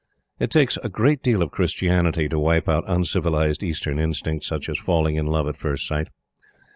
It takes a great deal of Christianity to wipe out uncivilized Eastern instincts, such as falling in love at first sight.